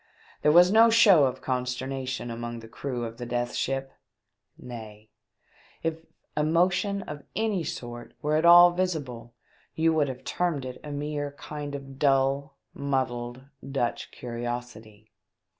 There was no show of consternation among the crew of the Death Ship ; nay, if emotion of any sort were at all visible, you would have termed it a mere kind of dull, muddled, Dutch curiosity.